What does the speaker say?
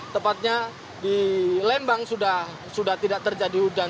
tepatnya di lembang sudah tidak terjadi hujan